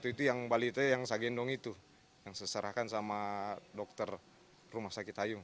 itu yang saya gendong itu yang saya serahkan sama dokter rumah sakit ayung